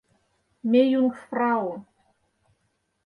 — Меюнгфрау!..